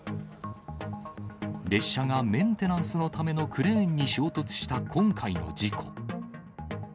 列車がメンテナンスのためのクレーンに衝突した今回の事故。